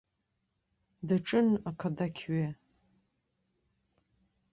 Даҿын ақадақьҩы.